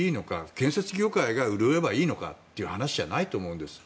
建設業界が潤えばいいのかという話ではないと思うんです。